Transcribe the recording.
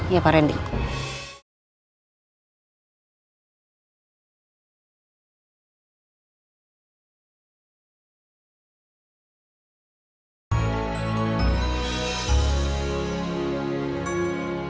iya pak randy